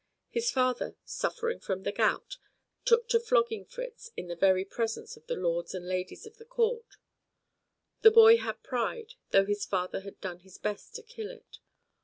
His father, suffering from the gout, took to flogging Fritz in the very presence of the lords and ladies of the court. The boy had pride, though his father had done his best to kill it.